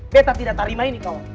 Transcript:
beta tidak tarima ini kaw